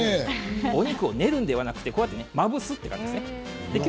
お肉を練るのではなくまぶす感じです。